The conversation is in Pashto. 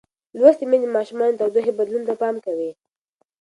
لوستې میندې د ماشومانو د تودوخې بدلون ته پام کوي.